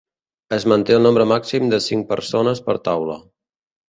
Es manté el nombre màxim de cinc persones per taula.